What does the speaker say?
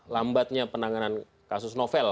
lambatnya penanganan kasus novel